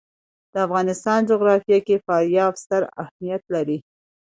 د افغانستان جغرافیه کې فاریاب ستر اهمیت لري.